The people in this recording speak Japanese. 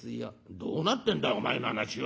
「どうなってんだお前の話は」。